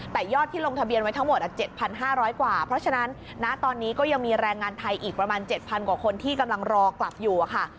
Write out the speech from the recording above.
แต่ยอดที่ลงทะเบียนไว้ทั้งหมด๗๕๐๐กว่าเพราะฉะนั้นณตอนนี้ก็ยังมีแรงงานไทยอีกประมาณ๗๐๐กว่าคนที่กำลังรอกลับอยู่ค่ะ